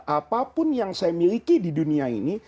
apapun yang saya miliki di dunia ini